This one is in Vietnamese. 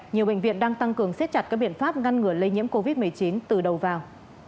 nhiều bệnh viện đang tăng cường xếp chặt các biện pháp ngăn ngừa lây nhiễm covid một mươi chín từ đầu vào